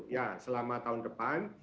tiga puluh ya selama tahun depan